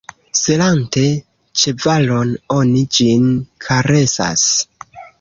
Selante ĉevalon, oni ĝin karesas.